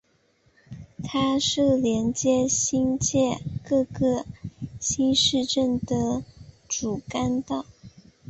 它是连接新界各个新市镇的主干道。